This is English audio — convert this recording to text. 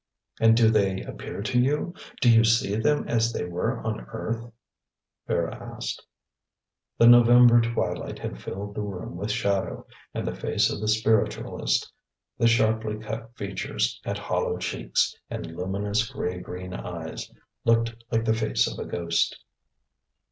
"And do they appear to you? Do you see them as they were on earth?" Vera asked. The November twilight had filled the room with shadow, and the face of the spiritualist, the sharply cut features, and hollow cheeks, and luminous grey green eyes, looked like the face of a ghost.